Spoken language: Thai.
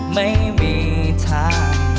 ไม่มีทาง